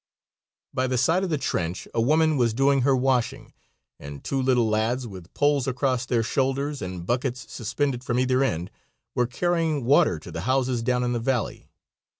By the side of the trench a woman was doing her washing, and two little lads, with poles across their shoulders and buckets suspended from either end, were carrying water to the houses down in the valley.